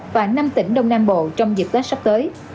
và năm tỉnh đông nam bộ trong dịp tết sắp tới